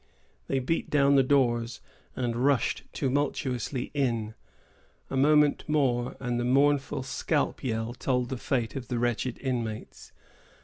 They beat down the doors, and rushed tumultuously in. A moment more, and the mournful scalp yell told the fate of the wretched inmates.